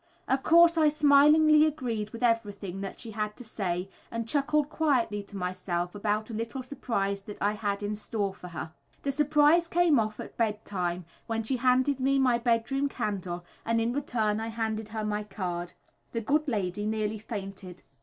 Of course, I smilingly agreed with everything that she had to say, and chuckled quietly to myself about a little surprise that I had in store for her. The surprise came off at bed time, when she handed me my bedroom candle, and in return I handed her my card. The good lady nearly fainted.